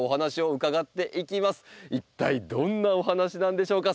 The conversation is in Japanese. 一体どんなお話なんでしょうか？